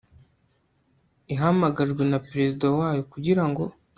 ihamagajwe na perezida wayo kugira ngo